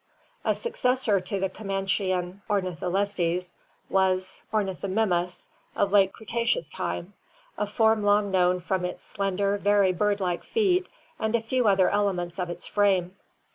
A successor to the Comanchian Ornitholestes was Ornithomimus of late Cretaceous time, a form long known from its slender, very bird like feet and a few other elements of its frame.